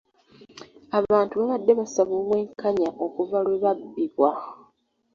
Abantu babadde basaba obwenkanya okuva lwe babbibwa.